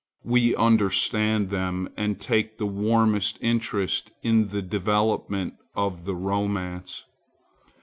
We understand them, and take the warmest interest in the development of the romance.